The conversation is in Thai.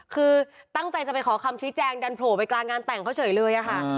คือตั้งใจจะไปขอคำชี้แจงดันโผล่ไปกลางงานแต่งเขาเฉยเลยค่ะ